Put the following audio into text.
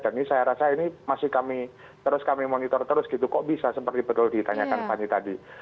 dan ini saya rasa ini masih kami terus kami monitor terus gitu kok bisa seperti betul ditanyakan fanny tadi